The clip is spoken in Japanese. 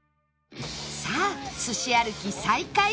さあすし歩き再開